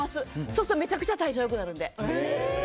そうするとめちゃくちゃ代謝良くなるんで。